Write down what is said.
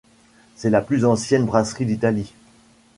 C'est la plus ancienne brasserie d'Italie.